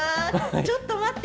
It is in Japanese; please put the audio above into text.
ちょっと待って。